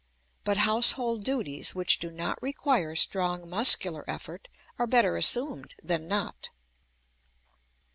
But household duties which do not require strong muscular effort are better assumed than not.